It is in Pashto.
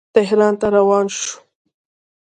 تهران ته روان شو.